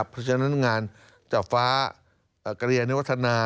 พระเจ้านักงานจาฟ้ากริยะนิวัฒนา